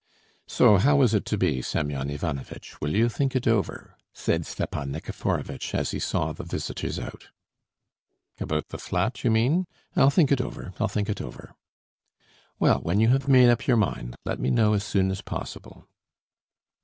"So how is it to be, Semyon Ivanovitch? Will you think it over?" said Stepan Nikiforovitch, as he saw the visitors out. "About the flat, you mean? I'll think it over, I'll think it over." "Well, when you have made up your mind, let me know as soon as possible."